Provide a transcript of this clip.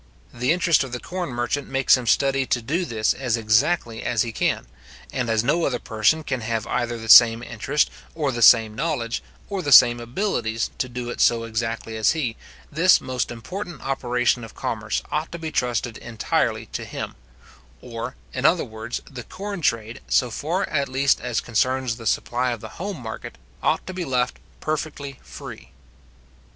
The interest of the corn merchant makes him study to do this as exactly as he can; and as no other person can have either the same interest, or the same knowledge, or the same abilities, to do it so exactly as he, this most important operation of commerce ought to be trusted entirely to him; or, in other words, the corn trade, so far at least as concerns the supply of the home market, ought to be left perfectly free.